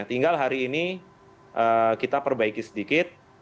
tinggal hari ini kita perbaiki sedikit